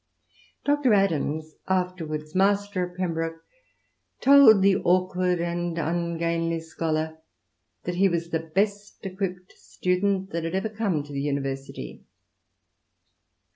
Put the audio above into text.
Dr. Adams, afterwards Master of Pembroke, told the awkward and ungainly scholar that he was the best equipped student that had ever come to the University.